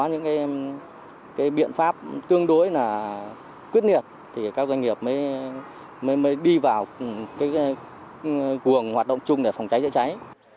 những biện pháp tương đối quyết niệm thì các doanh nghiệp mới đi vào cuồng hoạt động chung để phòng trái trịa trái